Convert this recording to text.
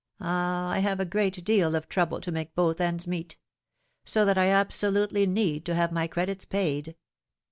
Ah ! I have a great deal of trouble to make both ends meet ! So that I absolutely need to have my credits paid.